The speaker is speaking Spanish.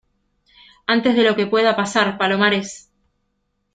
antes de lo que pueda pasar. ¡ palomares!